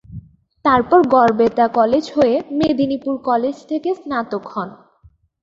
তারপর গড়বেতা কলেজ হয়ে, মেদিনীপুর কলেজ থেকে স্নাতক হন।